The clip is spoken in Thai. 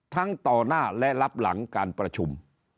ต่อหน้าและรับหลังการประชุม